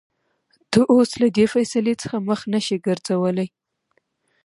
ته اوس له دې فېصلې څخه مخ نشې ګرځولى.